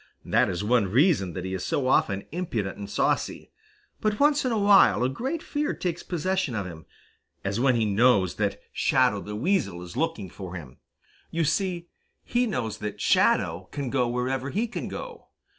That is one reason that he is so often impudent and saucy. But once in a while a great fear takes possession of him, as when he knows that Shadow the Weasel is looking for him. You see, he knows that Shadow can go wherever he can go.